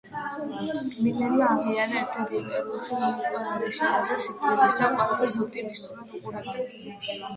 მილენმა აღიარა ერთ-ერთ ინტერვიუში, რომ უკვე არ ეშინოდა სიკვდილის და ყველაფერს ოპტიმისტურად უყურებდა.